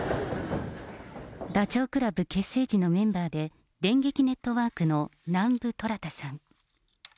ダチョウ倶楽部結成時のメンバーで、電撃ネットワークの南部虎弾さん。